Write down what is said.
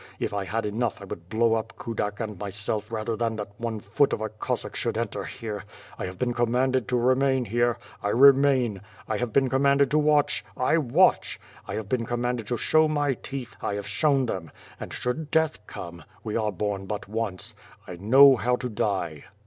If I had enough, I would blow up Kudak and my self rather than that one foot of a Cossack should enter here. I have been commanded to remain here — I remain; I have been commanded to watch — I watch; I have been com manded to show my teeth — I have shown them, and should death come — we are born but once — I know how to die.''